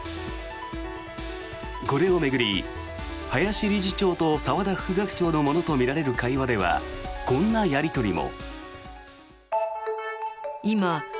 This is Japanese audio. これを巡り、林理事長と澤田副学長のものとみられる会話ではこんなやり取りも。